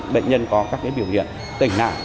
bệnh nhân có các biểu hiện tỉnh nạn